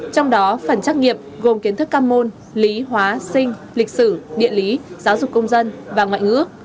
trong đó phần trắc nghiệm gồm kiến thức cam môn lý hóa sinh lịch sử điện lý giáo dục công dân và ngoại ngữ ước